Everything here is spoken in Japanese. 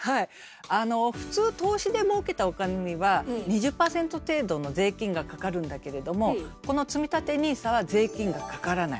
普通投資でもうけたお金には２０％程度の税金がかかるんだけれどもこのつみたてＮＩＳＡは税金がかからない。